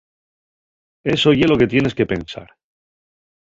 Eso ye lo que tienes que pensar.